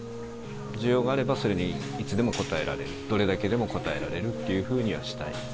需要があればそれにいつでも応えられる、どれだけでも応えられるっていうふうにはしたい。